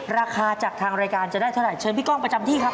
ราคาจากทางรายการจะได้เท่าไหเชิญพี่ก้องประจำที่ครับ